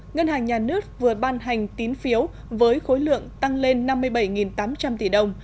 ngân hàng nhà nước vừa ban hành tín phiếu với khối lượng tăng lên năm mươi bảy tám trăm linh tỷ đồng